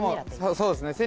そうですね